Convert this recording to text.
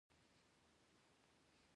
د سلیمان غر د اړتیاوو لپاره اقدامات کېږي.